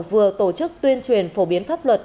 vừa tổ chức tuyên truyền phổ biến pháp luật